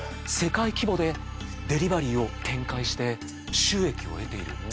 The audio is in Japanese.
世界規模でデリバリーを展開して収益を得ている。